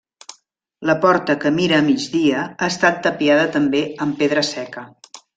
La porta, que mira a migdia ha estat tapiada també amb pedra seca.